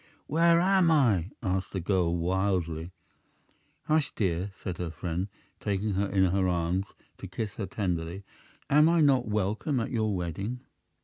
"Where am I?" asked the girl, wildly. "Hush, dear," said her friend, taking her in her arms to kiss her tenderly. "Am I not welcome at your wedding?"